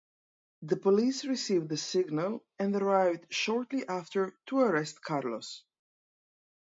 The police receive the signal and arrive shortly after to arrest Carlos.